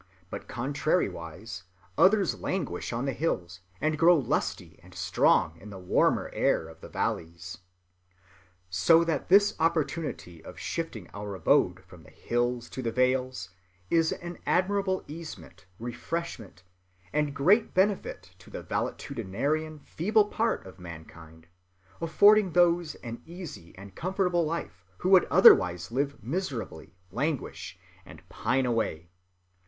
But contrariwise, others languish on the hills, and grow lusty and strong in the warmer air of the valleys. "So that this opportunity of shifting our abode from the hills to the vales, is an admirable easement, refreshment, and great benefit to the valetudinarian, feeble part of mankind; affording those an easy and comfortable life, who would otherwise live miserably, languish, and pine away.